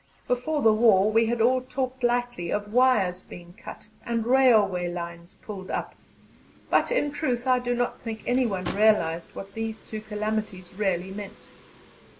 Before the war we had all talked lightly of wires being cut and railway lines pulled up, but, in truth, I do not think anyone realized what these two calamities really meant.